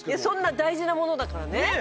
そんな大事なものだからね。